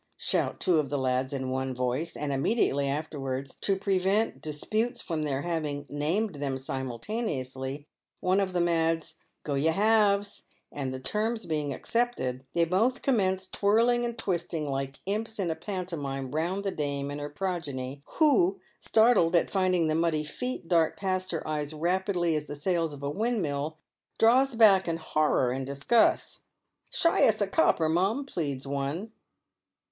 shout two of the lads in one voice ; and immediately afterwards — to prevent disputes from their having "named" them simultaneously — one of them adds, " Go you halves," and the terms being accepted, they both commence twirling and twisting like imps in a pantomime round the dame and her progeny, who, startled at finding the muddy feet dart past her eyes rapidly as the sails of a windmill, draws back in horror and disgust. " Shy us a copper, mum," pleads one.